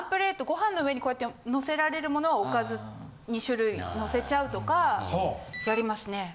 ご飯の上にこうやってのせられるものはおかず２種類のせちゃうとかやりますね。